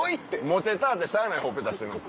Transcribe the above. モテたぁてしゃあないほっぺたしてるんです。